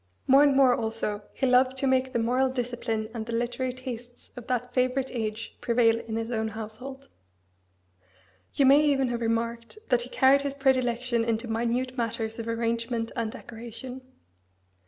More and more also he loved to make the moral discipline and the literary tastes of that favourite age prevail in his own household. You may even have remarked that he carried his predilection into minute matters of arrangement and decoration.